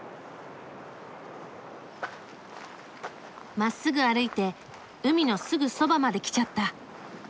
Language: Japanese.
まっすぐ歩いて海のすぐそばまで来ちゃった。